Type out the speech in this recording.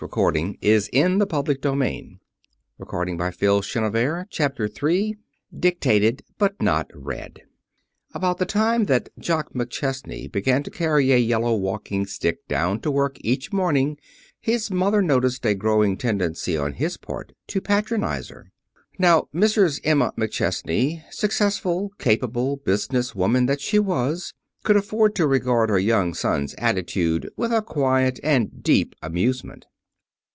became in some miraculous way a little boy again"] III DICTATED BUT NOT READ About the time that Jock McChesney began to carry a yellow walking stick down to work each morning his mother noticed a growing tendency on his part to patronize her. Now Mrs. Emma McChesney, successful, capable business woman that she was, could afford to regard her young son's attitude with a quiet and deep amusement.